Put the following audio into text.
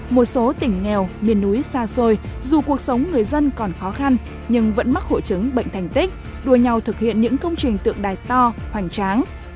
một số tỉnh nghèo miền núi xa xôi dù cuộc sống người dân còn khó khăn nhưng vẫn mắc hội chứng bệnh thành tích đua nhau thực hiện những công trình tượng đài to hoành tráng